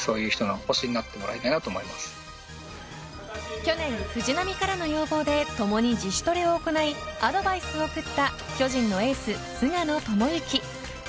去年、藤浪からの要望で共に自主トレを行いアドバイスを送った巨人のエース、菅野智之。